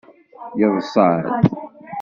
Yeḍṣa-d.